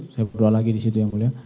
saya berdoa lagi di situ yang mulia